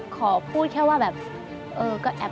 ขอพูดแค่ว่าแบบ